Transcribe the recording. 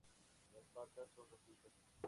Las patas son rojizas.